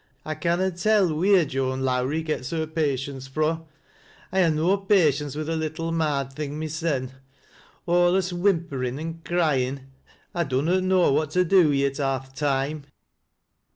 I canna tell wheer Joan Lowrie gets her patience fro'. I ha' no patience with the little marred thing mysen — alius whimperin' an' cryin' ; I dunnot know what to do wi' it half th' toime."